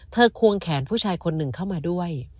ควงแขนผู้ชายคนหนึ่งเข้ามาด้วย